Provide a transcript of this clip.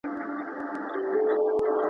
ميوې د زهشوم له خوا خورل کيږي!